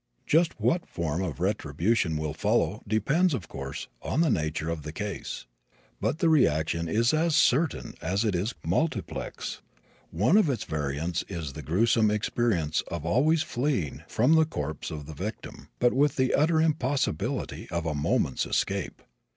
Just what form of retribution will follow depends, of course, on the nature of the case. But the reaction is as certain as it is multiplex. One of its variants is the gruesome experience of always fleeing from the corpse of the victim, but with the utter impossibility of a moment's escape.